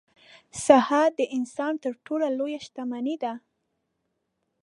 صحه د انسان تر ټولو لویه شتمني ده.